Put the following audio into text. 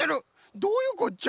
どういうこっちゃ！？